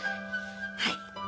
はい。